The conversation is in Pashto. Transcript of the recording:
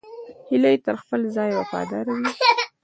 هیلۍ تل د خپل ځای وفاداره وي